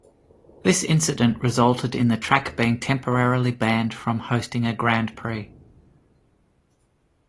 This incident resulted in the track being temporarily banned from hosting a Grand Prix.